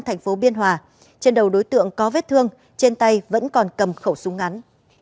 thành phố biên hòa trên đầu đối tượng có vết thương trên tay vẫn còn cầm khẩu súng ngắn